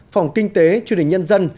phòng kinh tế chương trình nhân dân